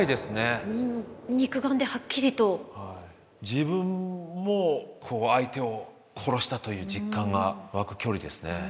自分も相手を殺したという実感が湧く距離ですね。